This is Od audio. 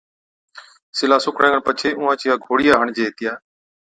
سِلها سُوڪڻي کن پڇي اُونهان چِيا گھوڙِيا هڻجي هِتِيا،